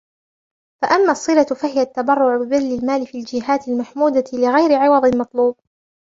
فَأَمَّا الصِّلَةُ فَهِيَ التَّبَرُّعُ بِبَذْلِ الْمَالِ فِي الْجِهَاتِ الْمَحْمُودَةِ لِغَيْرِ عِوَضٍ مَطْلُوبٍ